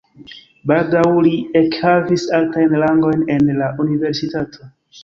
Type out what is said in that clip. Baldaŭ li ekhavis altajn rangojn en la universitato.